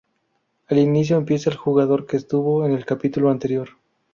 Al inicio empieza el jugador que estuvo en el capítulo anterior.